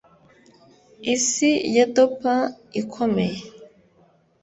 isi ya dopers ikomeye